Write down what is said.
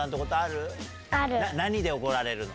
何で怒られるの？